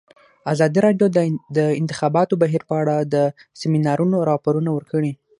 ازادي راډیو د د انتخاباتو بهیر په اړه د سیمینارونو راپورونه ورکړي.